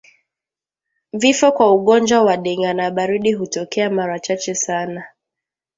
Vifo kwa ugonjwa wa ndigana baridi hutokea mara chache sana